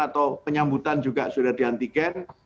atau penyambutan juga sudah di antigen